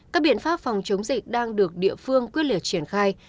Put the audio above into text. các biện pháp phòng chống dịch đang được địa phương quyết liệt triển khai